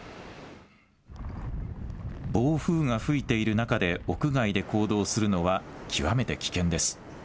暴風が吹いている中で屋外で行動するのは極めて危険です。